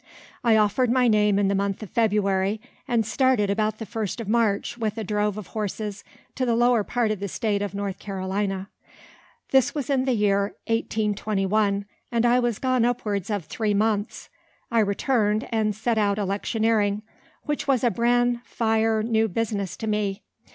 I offered my name in the month of February, and started about the first of March with a drove of horses to the lower part of the state of North Carolina. This was in the year 1821, and I was gone upwards of three months. I returned, and set out electioneering, which was a bran fire new business to me.